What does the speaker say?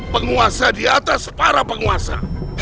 penguasa diatas para penguasa